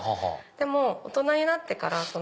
でも大人になってから。